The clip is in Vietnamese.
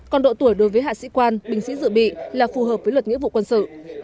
còn độ tuổi đối với hạ sĩ quan bình sĩ dự bị là phù hợp với luật nghĩa vụ quân sự